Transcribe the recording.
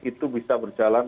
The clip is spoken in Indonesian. itu bisa berjalan